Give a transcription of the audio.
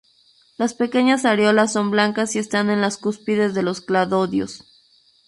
Las pequeñas areolas son blancas y están en las cúspides de los cladodios.